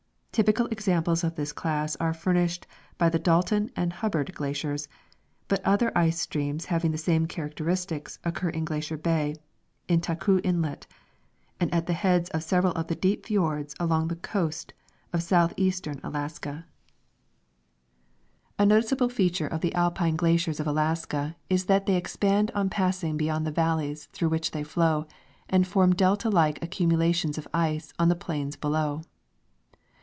Typical examples of this class are furnished by the Dalton and Hubbard glaciers, but other ice streams hav ing the same characteristics occur in Glacier bay, in Taku inlet, and at the heads of several of the deep fjords along the coast of southeastern Alaska. (176) The Seward Glacier. 177 A noticeal^le feature of the Alpine glaciers of Alaska is that they expand on passing beyond the valleys through which they flow and form delta like accumulations of ice on the plains be low.